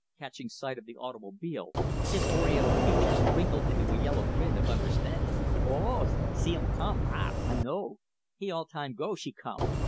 Catching sight of the automobile, his oriental features wrinkled into a yellow grin of understanding; "Oh! see um come! Ha! I know. He all time go, she come.